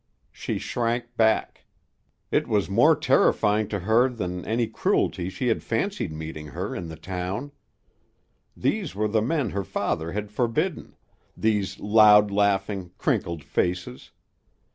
She shrank back. It was more terrifying to her than any cruelty she had fancied meeting her in the town. These were the men her father had forbidden, these loud laughing, crinkled faces.